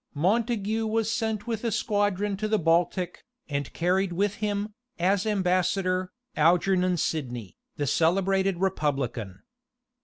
Montague was sent with a squadron to the Baltic, and carried with him, as ambassador, Algernon Sidney, the celebrated republican.